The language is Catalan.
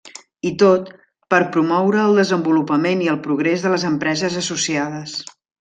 I tot, per promoure el desenvolupament i el progrés de les empreses associades.